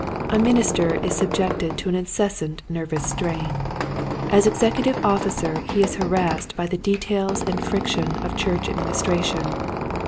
A minister is subjected to an incessant nervous strain. As executive officer he is harassed by the details and friction of church administration.